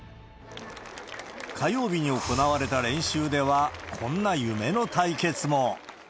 火曜日に行われた練習では、こんな夢の対決も。